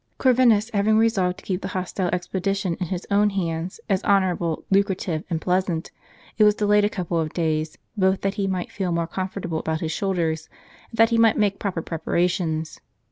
Corvinus having resolved to keep the hostile expedition in his own hands, as honorable, lucrative, and pleasant, it was delayed a couple of days, both that he might feel more com fortable about his shoulders, and that he might make proper preparations.